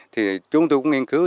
thì chúng tôi cũng nghiên cứu